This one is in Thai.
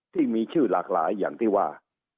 ที่มีชื่อหลากหลายอย่างที่ว่า